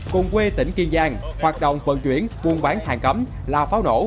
cùng quê tỉnh kiên giang hoạt động vận chuyển buôn bán hàng cấm là pháo nổ